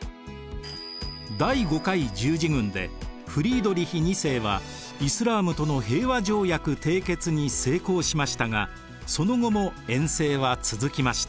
第５回十字軍でフリードリヒ２世はイスラームとの平和条約締結に成功しましたがその後も遠征は続きました。